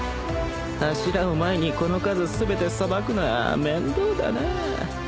柱を前にこの数全てさばくのは面倒だなぁ